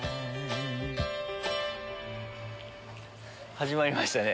始まりましたね。